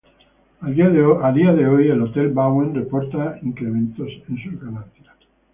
Al día de hoy, el Hotel Bauen reporta incrementos en sus ganancias.